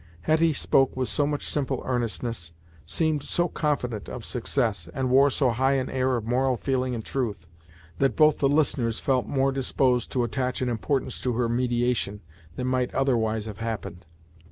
Hetty spoke with so much simple earnestness, seemed so confident of success, and wore so high an air of moral feeling and truth, that both the listeners felt more disposed to attach an importance to her mediation, than might otherwise have happened.